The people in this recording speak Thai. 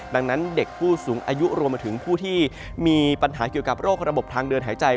ดังนั้นเด็กผู้สูงอายุรวมมาถึงผู้ที่มีปัญหาเกี่ยวกับโรคระบบทางเดินหายใจ